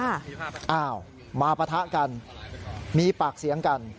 อ้าวมาปะทะกันมีปากเสียงกัน